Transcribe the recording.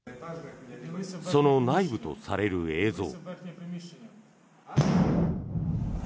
その内部とされる映像。